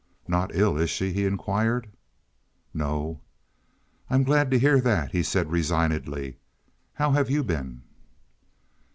"Not ill, is she?" he inquired. "No." "I'm glad to hear that," he said resignedly. "How have you been?"